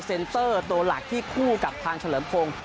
เตอร์ตัวหลักที่คู่กับทางเฉลิมพงศ์